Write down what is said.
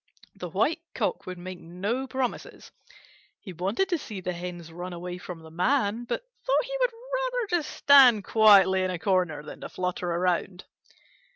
The White Cock would make no promises. He wanted to see the Hens run away from the Man, but thought he would rather stand quietly in a corner than to flutter around.